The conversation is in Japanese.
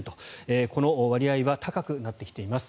この割合は高くなってきています。